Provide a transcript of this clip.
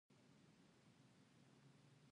ازادي راډیو د اقتصاد په اړه رښتیني معلومات شریک کړي.